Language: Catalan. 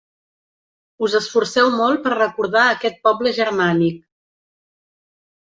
Us esforceu molt per recordar aquest poble germànic.